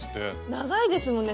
長いですもんね